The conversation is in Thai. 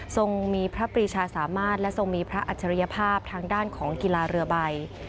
ทรงมีพระปรีชาสามารถและทรงมีพระอัจฉริยภาพทางด้านของกีฬาเรือใบ